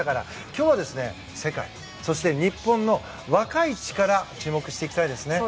今日は世界、そして日本の若い力に注目していきたいですね。